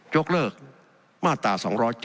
ยกเลิกมาตรา๒๗